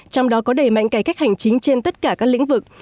trong đó có đầy mạnh cải cách hành chính trên tất cả các lĩnh vực